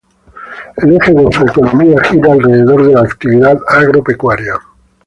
El eje de su economía gira alrededor de la actividad agropecuaria.